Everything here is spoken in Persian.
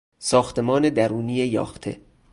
ساختمان درونی یاخته